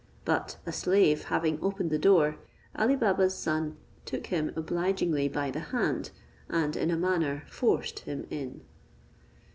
But a slave having opened the door, Ali Baba's son took him obligingly by the hand, and in a manner forced him in.